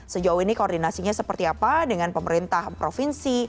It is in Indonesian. sejauh ini koordinasinya seperti apa dengan pemerintah provinsi